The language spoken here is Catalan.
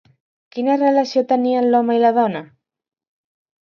Quina relació tenien l'home i la dona?